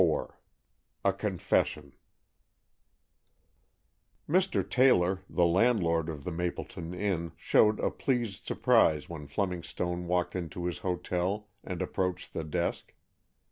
XXIV A CONFESSION Mr. Taylor, the landlord of the Mapleton Inn, showed a pleased surprise when Fleming Stone walked into his hotel and approached the desk.